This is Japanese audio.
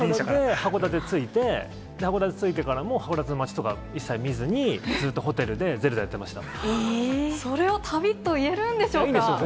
函館着いて、函館着いてからも、函館の街とか一切見ずに、ずっとホテルでゼルダやってましそれを旅と言えるんでしょういいんですよ。